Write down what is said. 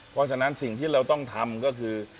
เพราะฉะนั้นสิ่งที่เราต้องทำก็คือ